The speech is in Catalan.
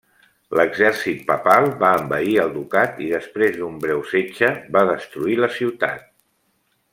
L'exèrcit papal va envair el ducat i, després d'un breu setge, va destruir la ciutat.